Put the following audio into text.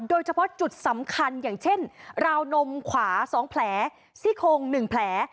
โดยเฉพาะจุดสำคัญอย่างเช่นราวนมขวา๒แผลซี่โคง๑แผล